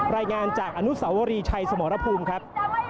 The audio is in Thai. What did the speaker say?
รายงานจากอนุสาวรีชัยสมรภูมิครับ